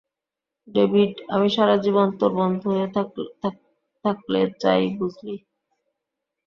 David, আমি সারাজীবন তোর বন্ধু হয়ে থাকলে চাই, বুঝলি?